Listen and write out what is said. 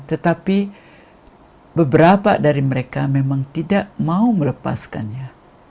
tetapi beberapa dari mereka memang tidak mau melepaskannya